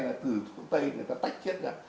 là từ thuốc tây người ta tách chiếc ra